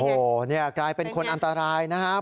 โอ้โหเนี่ยกลายเป็นคนอันตรายนะครับ